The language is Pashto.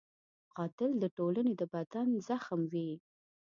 قاتل د ټولنې د بدن زخم وي